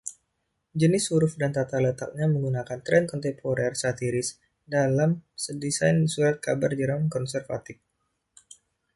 Jenis huruf dan tata letaknya menggunakan tren kontemporer satiris dalam desain surat kabar Jerman konservatif.